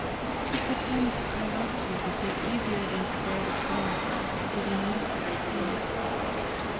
To pretend I loved you would be easier than to bear the pain of giving you such pain.